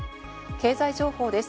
経済情報です。